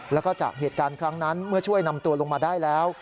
แล้วก็จากเหตุการณ์ครั้งนั้นเมื่อช่วยนำตัวลงมาได้แล้ว